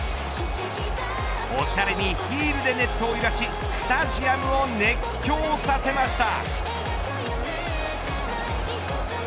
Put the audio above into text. おしゃれにヒールでネットを揺らしスタジアムを熱狂させました。